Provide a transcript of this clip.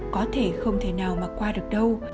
có thể không thể nào mà qua được đâu